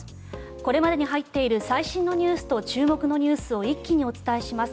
これまでに入っている最新ニュースと注目ニュースを一気にお伝えします。